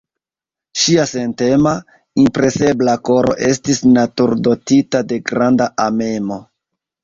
Ŝia sentema, impresebla koro estis naturdotita de granda amemo.